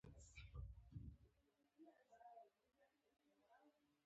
لیده کاته کول.